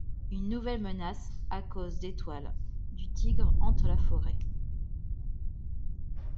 Une nouvelle menace, à cause d' Étoile du Tigre, hante la forêt.